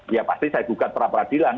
ya pasti saya buka terapradilan